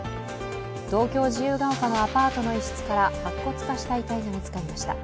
東京・自由が丘のアパートの一室から白骨化した遺体が見つかりました。